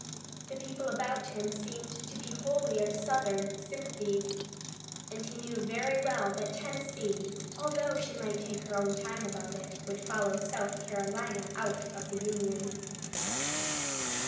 The people about him seemed to be wholly of Southern sympathies, and he knew very well that Tennessee, although she might take her own time about it, would follow South Carolina out of the Union.